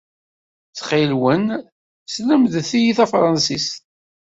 Ttxil-wen, slemdet-iyi tafṛansit.